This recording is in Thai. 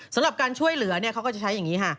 สำหรับการช่วยเหลือเขาก็จะใช้อย่างนี้ค่ะ